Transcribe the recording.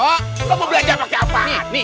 oh kamu belanja pake apaan